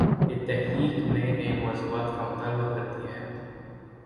یہ 'تحریک‘ نئے نئے مو ضوعات کا مطالبہ کر تی ہے۔